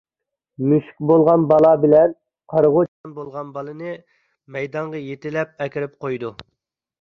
مۈشۈك بولغان بالا بىلەن قارىغۇ چاشقان بولغان بالىنى مەيدانغا يېتىلەپ ئەكىرىپ قويىدۇ.